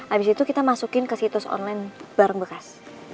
abis itu kita masukin ke situs online barang bekas